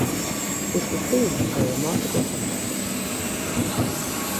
This was seen as a remarkable comeback.